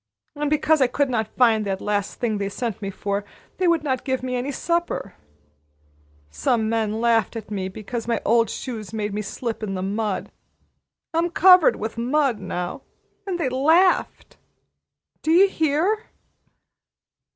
And because I could not find that last thing they sent me for, they would not give me any supper. Some men laughed at me because my old shoes made me slip down in the mud. I'm covered with mud now. And they laughed! Do you hear!"